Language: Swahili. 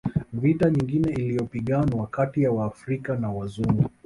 Vita nyingine iliyopiganwa kati ya waafrika na Wazungu